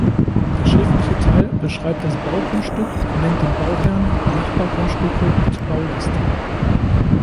Der schriftliche Teil beschreibt das Baugrundstück, nennt den Bauherrn, Nachbargrundstücke und Baulasten.